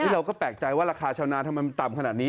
เราก็แปลกใจว่าราคาชาวนาทำไมมันต่ำขนาดนี้